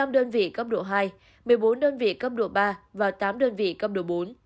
một mươi đơn vị cấp độ hai một mươi bốn đơn vị cấp độ ba và tám đơn vị cấp độ bốn